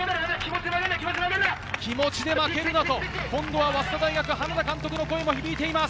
気持ちで負けるな！と、早稲田大学・花田監督の声も響いています。